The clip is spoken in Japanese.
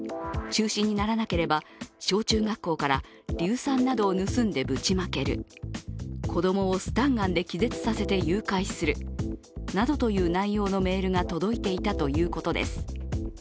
中止にならなければ、小中学校から硫酸などを盗んでぶちまける、子供をスタンガンで気絶させて誘拐するなどという内容のメールが届いていたということです。